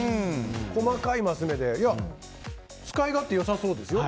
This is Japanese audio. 細かいマス目で使い勝手よさそうですよ。